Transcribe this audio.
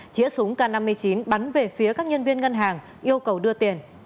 chĩa súng k năm mươi chín bắn về phía các nhân viên ngân hàng yêu cầu đưa tiền